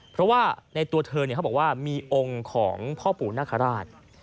เพราะว่าในตัวเธอเขาบอกว่ามีองค์ของพ่อปู่นาคาราช